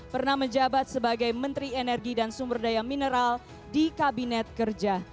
pernah menjabat sebagai menteri energi dan sumber daya mineral di kabinet kerja